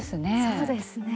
そうですね。